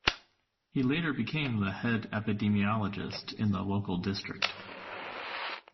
He later became the head epidemiologist in the local district.